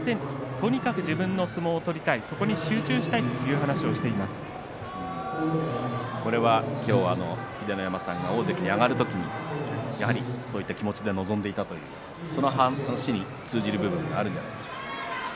とにかく自分の相撲を取りたいそこに集中したいという話を秀ノ山さんが大関に上がる時にも、やはりそういった気持ちで臨んでいたと通じる部分があるんじゃないでしょうか。